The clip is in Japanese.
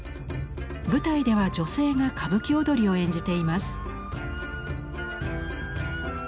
舞台では女性が歌舞伎踊りを演じています。